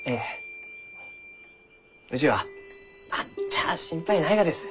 うちは何ちゃあ心配ないがです。